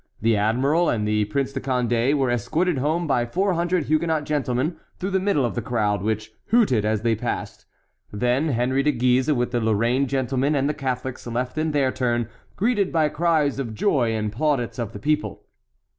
The admiral and the Prince de Condé were escorted home by four hundred Huguenot gentlemen through the middle of the crowd, which hooted as they passed. Then Henry de Guise, with the Lorraine gentlemen and the Catholics, left in their turn, greeted by cries of joy and plaudits of the people.